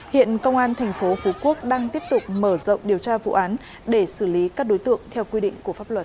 hiện công an tp phú quốc đang tiếp tục mở rộng điều tra vụ án để xử lý các đối tượng theo quy định của pháp luật